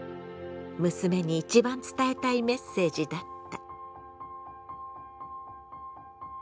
娘に一番伝えたいメッセージだった。